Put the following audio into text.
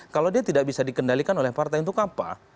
kalau dia tidak bisa dikendalikan oleh partai untuk apa